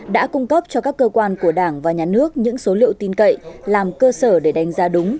đã cung cấp cho các cơ quan của đảng và nhà nước những số liệu tin cậy làm cơ sở để đánh giá đúng